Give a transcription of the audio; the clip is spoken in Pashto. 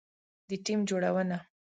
د ټیم جوړونه